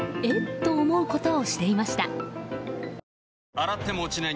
洗っても落ちない